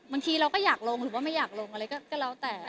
บางทีเราก็อยากลงหรือว่าไม่อยากลงอะไรก็แล้วแต่